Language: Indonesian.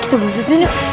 kita busetin yuk